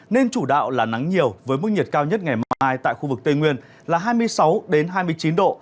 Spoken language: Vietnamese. nên chủ đạo là nắng nhiều với mức nhiệt cao nhất ngày mai tại khu vực tây nguyên là hai mươi sáu hai mươi chín độ